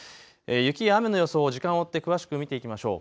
雪や雨の予想、時間を追って詳しく見ていきましょう。